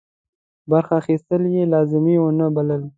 برخه اخیستل یې لازم ونه بلل.